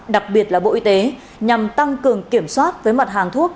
đặc biệt là bộ y tế nhằm tăng cường kiểm soát với mặt hàng thuốc